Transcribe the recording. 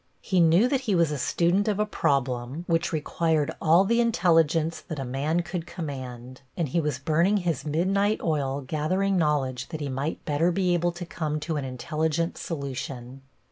He knew that he was a student of a problem which required all the intelligence that a man could command, and he was burning his midnight oil gathering knowledge that he might better be able to come to an intelligent solution.